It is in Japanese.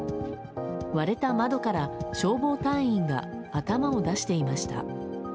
割れた窓から消防隊員が頭を出していました。